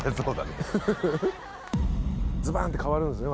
ずばんって変わるんですね